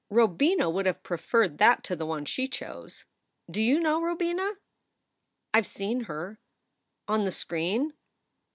Robina would have preferred that to the one she chose. Do you know Robina?" "I ve seen her." "Qn the screen?"